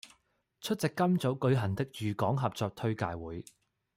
出席今早舉行的渝港合作推介會